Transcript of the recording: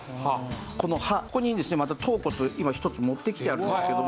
ここにですねまた頭骨今１つ持ってきてあるんですけども。